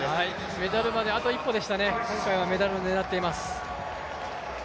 メダルまであと１歩でしたね、今回はメダルを狙っています。